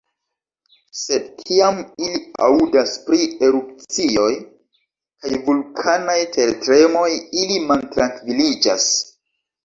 Sed kiam ili aŭdas pri erupcioj kaj vulkanaj tertremoj, ili maltrankviliĝas.